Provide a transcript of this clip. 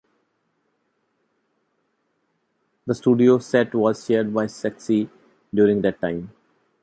The studio set was shared by Saksi during that time.